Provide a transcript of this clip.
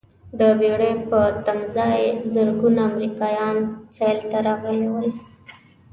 د بېړۍ په تمځاې زرګونه امریکایان سیل ته راغلي ول.